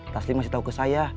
taslim masih tahu ke saya